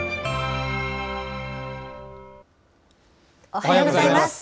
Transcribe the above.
おはようございます。